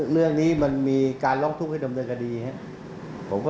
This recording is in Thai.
ไม่อยู่ในแรงหน้าจักร